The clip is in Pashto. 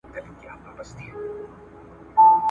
عزت په تقوا او پرهېزګارۍ کي نغښتی دی.